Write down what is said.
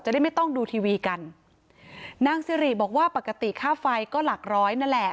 ได้ไม่ต้องดูทีวีกันนางซิริบอกว่าปกติค่าไฟก็หลักร้อยนั่นแหละ